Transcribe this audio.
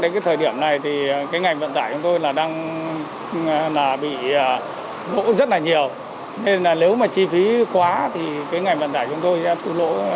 khi cho đến cái thời điểm này thì cái ngành vận tài chúng tôi là đang bị lỗ rất là nhiều